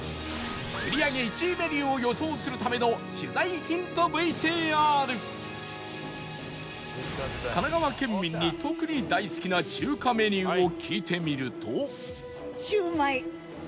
売り上げ１位メニューを予想するための取材ヒント ＶＴＲ神奈川県民に特に大好きな中華メニューを聞いてみると